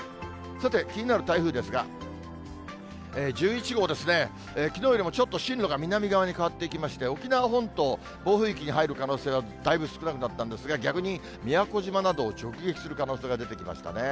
さて、気になる台風ですが、１１号ですね、きのうよりもちょっと進路が南側に変わっていきまして、沖縄本島、暴風域に入る可能性は、だいぶ少なくなったんですが、逆に宮古島などを直撃する可能性が出てきましたね。